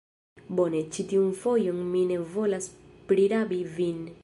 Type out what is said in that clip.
Bone, ĉi tiun fojon mi ne volas prirabi vin.